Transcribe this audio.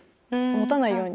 「持たないように」。